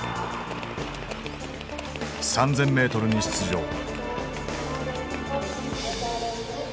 ３，０００ｍに出場。